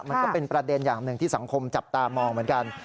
มันก็เป็นประเด็นอย่างหนึ่งที่สังคมจับตามองเหมือนกัน